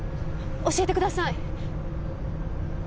教えてください！